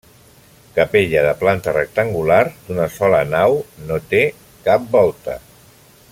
Capella de planta rectangular, d'una sola nau, no té cap volta.